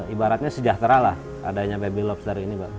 ibaratnya sejahtera lah adanya baby lobster ini pak